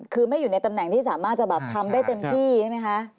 คือไม่อยู่ในตำแหน่งที่สามารถจะแบบทำได้เต็มที่ใช่ไหมคะ